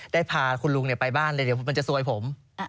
ได้พาคุณลุงไปบ้านเลยเดี๋ยวมันจะซวยผม